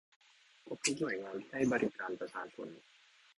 ครบทุกหน่วยงานที่ให้บริการประชาชน